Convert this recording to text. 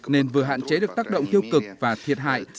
nên vừa hạn chế được tác động tiêu cực và thiệt hại